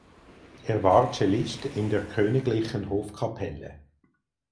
Er war Cellist in der Königlichen Hofkapelle.